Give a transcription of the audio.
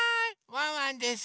ワンワンです。